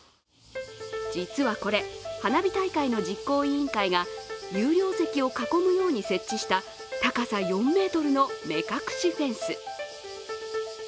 実はこれ、花火大会の実行委員会が有料席を囲むように設置した高さ４ｍの目隠しフェンス。